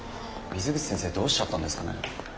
水口先生どうしちゃったんですかね。